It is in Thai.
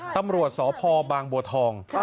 ตำรวจสพบางบัวทอง